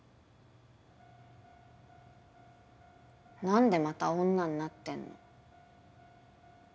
何でまた女になってんの？